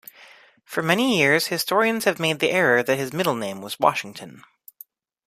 For many years, historians have made the error that his middle name was Washington.